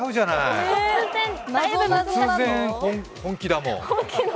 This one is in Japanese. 突然、本気だもん。